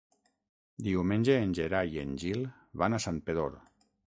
Diumenge en Gerai i en Gil van a Santpedor.